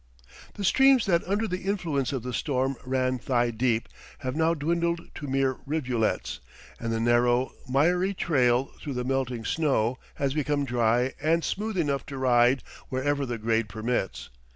The streams that under the influence of the storm ran thigh deep have now dwindled to mere rivulets, and the narrow, miry trail through the melting snow has become dry and smooth enough to ride wherever the grade permits.